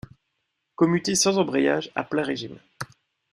Commuté sans embrayage, à plein régime.